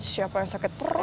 siapa yang sakit perut